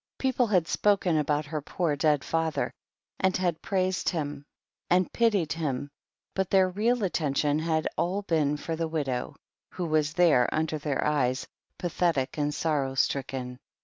People had spoken about her poor dead father, and had praised him and pitied him, but their real attention had all been for the widow, who was there under their eyes, pathetic and sorrow stricken.